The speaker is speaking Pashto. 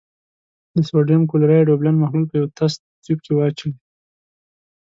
د سوډیم کلورایډ اوبلن محلول په یوه تست تیوب کې واچوئ.